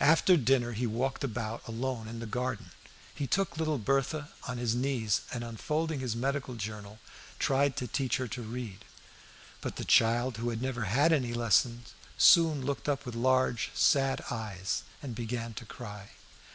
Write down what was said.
After dinner he walked about alone in the garden; he took little Berthe on his knees, and unfolding his medical journal, tried to teach her to read. But the child, who never had any lessons, soon looked up with large, sad eyes and began to cry.